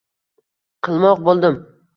Qilmoq bo’ldim